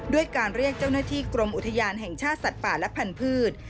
ด้วยการเรียกเจ้าหน้าที่กรมอุทยานแห่งชาติสัตว์ป่าและพันธุ์